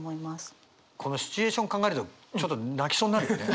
このシチュエーション考えるとちょっと泣きそうになるよね。